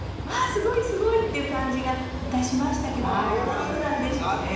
すごいすごい！っていう感じがいたしましたけどどんな句なんでしょうね？